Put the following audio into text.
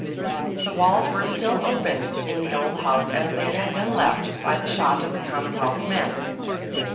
The walls were still open in the old house as they had been left by the shot of the Commonwealthmen.